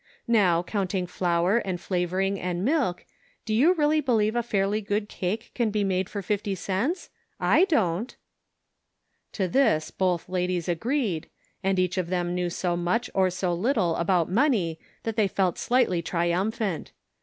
Now, counting flour and flavor ing and milk, do 3^0 u really believe a fairly good cake can be made for fifty cents? I don't." To this both ladies agreed, and each of Cake Mathematically Considered. 79 them knew so much or so little about money that they felt slightly triumphant.